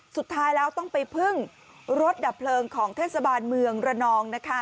สุดท้ายแล้วต้องไปพึ่งรถดับเพลิงของเทศบาลเมืองระนองนะคะ